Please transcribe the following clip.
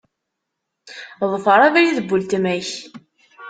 Ḍfeṛ abrid n weltma-k.